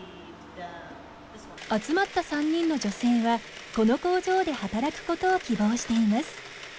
集まった３人の女性はこの工場で働くことを希望しています。